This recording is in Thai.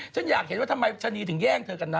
ฉันอยากเห็นว่าทำไมชะนีถึงแย่งเธอกันนะ